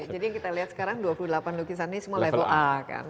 jadi yang kita lihat sekarang dua puluh delapan lukisan ini semua level a kan